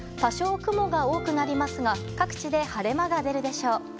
多少、雲が多くなりますが各地で晴れ間が出るでしょう。